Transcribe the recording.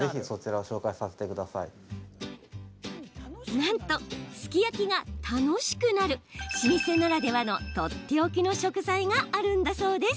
なんと、すき焼きが楽しくなる老舗ならではのとっておきの食材があるんだそうです。